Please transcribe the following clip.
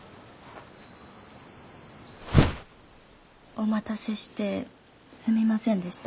お待たせしてすみませんでした。